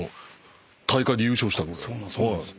そうなんです。